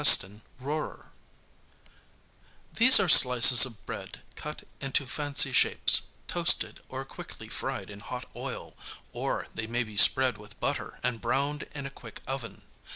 63 CANAP╔S These are slices of bread cut into fancy shapes, toasted or quickly fried in hot oil, or they may be spread with butter and browned in a quick oven.